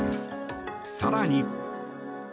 更に。